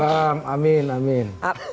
malam amin amin